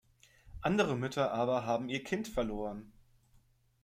Andere Mütter aber haben ihr Kind verloren.